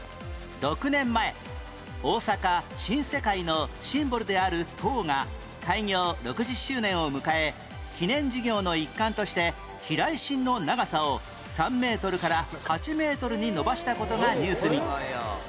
６年前大阪新世界のシンボルである塔が開業６０周年を迎え記念事業の一環として避雷針の長さを３メートルから８メートルに伸ばした事がニュースに